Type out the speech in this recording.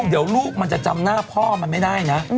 เดี๋ยวลูกมันจะจำหน้าพ่อมันไม่ได้นะ